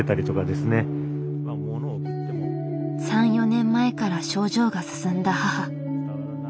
３４年前から症状が進んだ母。